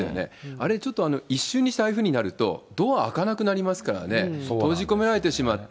あれ、ちょっと一瞬にしてああいうふうになると、ドア開かなくなりますからね、閉じ込められてしまって。